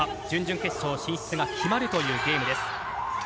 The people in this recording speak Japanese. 準々決勝進出が決まるというゲームです。